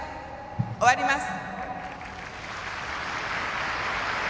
終わります。